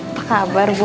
apa kabar bu